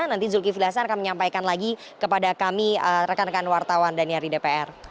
nanti zulkifli hasan akan menyampaikan lagi kepada kami rekan rekan wartawan daniar di dpr